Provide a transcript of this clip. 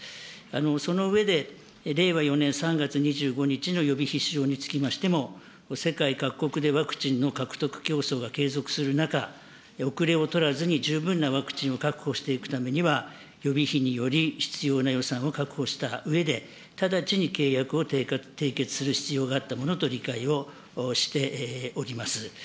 その上で、令和４年３月２５日の予備費使用につきましても、世界各国でワクチンの獲得競争が継続する中、後れを取らずに十分なワクチンを確保していくためには、予備費により必要な予算を確保したうえで、直ちに契約を締結する必要があったものと理解をしております。